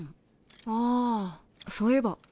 ああそういえば。